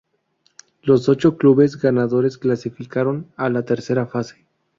Los ocho clubes ganadores clasificaron a la tercera fase.